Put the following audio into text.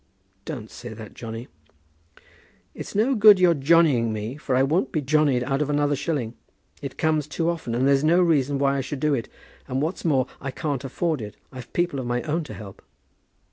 "Don't say that, Johnny." "It's no good your Johnnying me, for I won't be Johnnyed out of another shilling. It comes too often, and there's no reason why I should do it. And what's more, I can't afford it. I've people of my own to help."